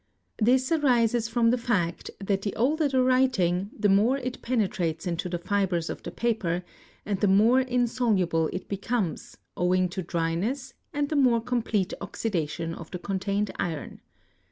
This arises from the fact that the older the writing the more it penetrates into the fibres of the paper, and the more insoluble it becomes owing to dryness and the more complete oxidation of the contained iron.